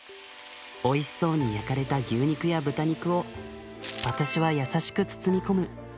おいしそうに焼かれた牛肉や豚肉を私は優しく包み込む。